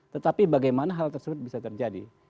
tetapi bagaimana hal tersebut bisa terjadi